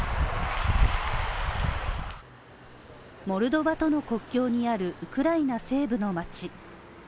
モルドバとの国境にあるウクライナ西部の街。